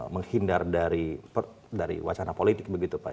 menghindar dari wacana politik